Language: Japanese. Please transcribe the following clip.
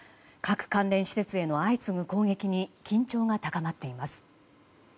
核関連施設への相次ぐ攻撃に緊張が高まっています。